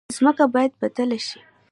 ځمکه باید بدله شي.